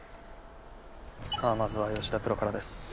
さぁまずは吉田プロからです。